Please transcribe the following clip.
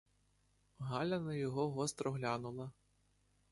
Галя на його гостро глянула.